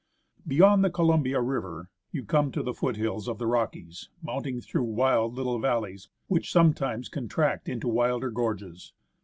Beyond the Columbia River, you come to the foothills of the Rockies, mounting through wild little valleys which sometimes con tract into wilder gorges.